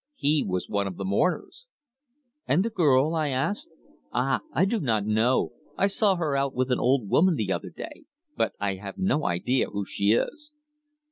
He was one of the mourners! "And the girl?" I asked. "Ah! I do not know. I saw her out with an old woman the other day. But I have no idea who she is."